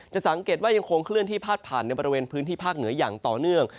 สังเกตว่ายังคงเคลื่อนที่พาดผ่านในบริเวณพื้นที่ภาคเหนืออย่างต่อเนื่อง